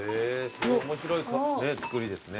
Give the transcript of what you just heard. すごい面白い造りですね。